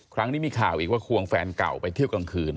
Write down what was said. ครั้งนี้มีข่าวอีกว่าควงแฟนเก่าไปเที่ยวกลางคืน